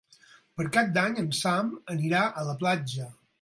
Per Cap d'Any en Sam anirà a la platja.